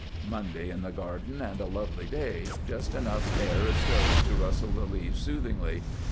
Monday in the Garden and a lovely day. Just enough air stirring to rustle the leaves soothingly.